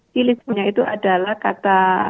cili itu adalah kata